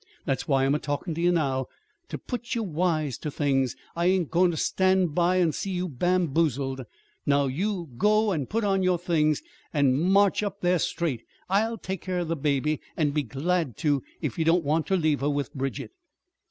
That's why I'm a talkin' to ye now ter put ye wise ter things. I ain't goin' ter stand by an' see you bamboozled. Now do you go an' put on your things an' march up there straight. I'll take care of the baby, an' be glad to, if you don't want ter leave her with Bridget."